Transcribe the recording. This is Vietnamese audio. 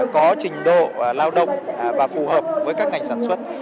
có trình độ lao động và phù hợp với các ngành sản xuất